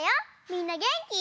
みんなげんき？